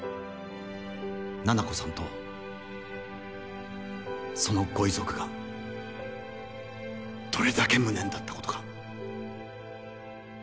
七菜子さんとそのご遺族がどれだけ無念だったことか。